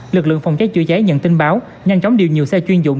lực lượng phòng cháy chữa cháy nhận tin báo nhanh chóng điều nhiều xe chuyên dụng